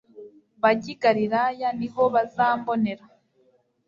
bajye i Galilaya ni ho bazambonera."